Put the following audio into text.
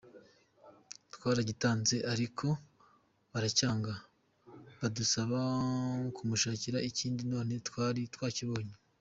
Twaragitanze ariko baracyanga badusaba kumushakira ikindi none twari twakibonye.